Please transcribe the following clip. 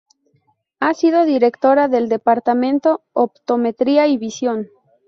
Ha sido directora del Departamento Optometría y Visión.